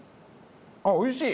あっおいしい！